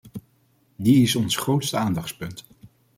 Die is ons grootste aandachtspunt.